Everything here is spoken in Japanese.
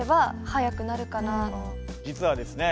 実はですね